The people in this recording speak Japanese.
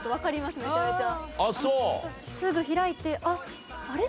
すぐ開いてあっあれ？